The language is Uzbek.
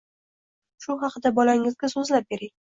Shu haqida bolangizga so‘zlab bering.